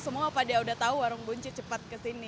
semua pada udah tahu warung bunci cepat kesini